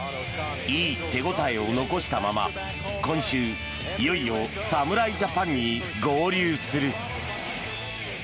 いい手応えを残したまま今週、いよいよ侍ジャパンに合流する。